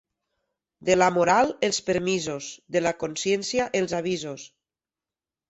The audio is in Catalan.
De la moral, els permisos; de la consciència, els avisos.